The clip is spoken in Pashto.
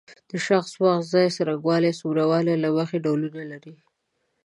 د شخص وخت ځای څرنګوالی څومره والی له مخې ډولونه لري.